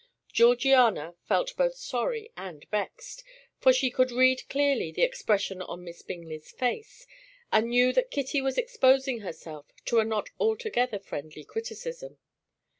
Georgiana felt both sorry and vexed, for she could read clearly the expression on Miss Bingley's face, and knew that Kitty was exposing herself to a not altogether friendly criticism.